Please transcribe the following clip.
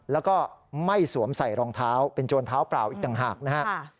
แล้วก็ไม่สวมใส่รองเท้าเป็นโจรเท้าเปล่าอีกต่างหากนะครับ